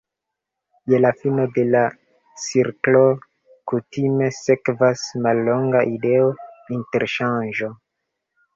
Je la fino de la cirklo kutime sekvas mallonga ideo-interŝanĝo.